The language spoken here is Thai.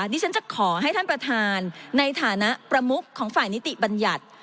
ดิฉันจะขอให้ท่านประธานในฐานะประมุขของฝ่ายนิติบัญญัติ